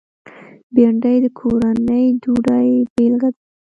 بېنډۍ د کورني ډوډۍ بېلګه ده